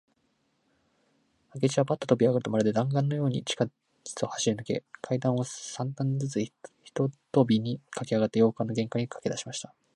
明智はパッととびあがると、まるで弾丸だんがんのように、地下室を走りぬけ、階段を三段ずつ一とびにかけあがって、洋館の玄関にかけだしました。